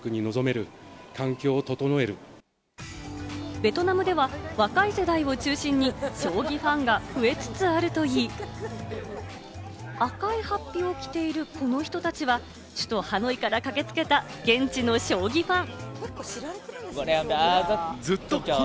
ベトナムでは若い世代を中心に将棋ファンが増えつつあるといい、赤い法被を着ているこの人たちは首都ハノイから駆けつけた現地の将棋ファン。